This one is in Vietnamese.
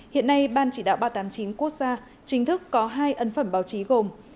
hiện nay ban chỉ đạo ba trăm tám mươi chín quốc gia chính thức có hai ấn phẩm báo chí gồm